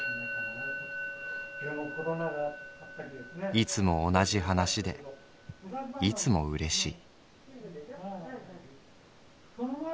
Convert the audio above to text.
「いつも同じ話でいつも嬉しい」。